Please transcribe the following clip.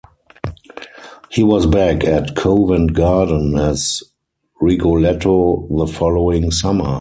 He was back at Covent Garden as Rigoletto the following summer.